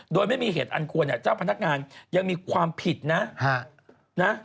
โดยไม่มีเหตุอันควรเจ้าพนักงานยังมีความผิดนะ